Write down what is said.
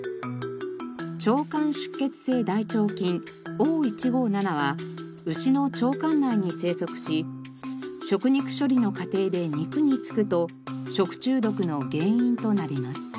Ｏ１５７は牛の腸管内に生息し食肉処理の過程で肉に付くと食中毒の原因となります。